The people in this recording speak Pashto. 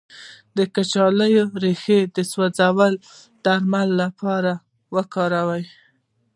د کچالو ریښه د سوځیدو د درملنې لپاره وکاروئ